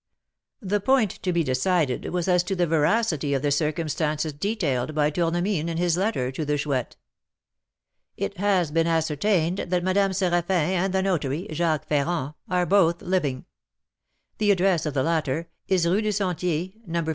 "The point to be decided was as to the veracity of the circumstances detailed by Tournemine in his letter to the Chouette. "It has been ascertained that Madame Séraphin and the notary, Jacques Ferrand, are both living; the address of the latter is Rue du Sentier, No.